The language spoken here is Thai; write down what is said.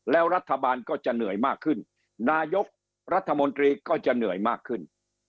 แล้วรัฐบาลก็จะเหนื่อยมากขึ้นนายกรัฐมนตรีก็จะเหนื่อยมากขึ้น